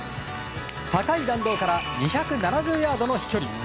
高い弾道から２７０ヤードの飛距離。